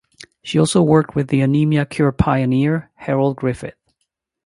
She also worked with the anaemia cure pioneer Harold Griffith.